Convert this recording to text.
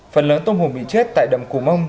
phần lớn tôm hùng bị chết tại đầm cù mông